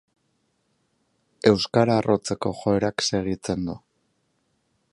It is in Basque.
Euskara arrotzeko joerak segitzen du.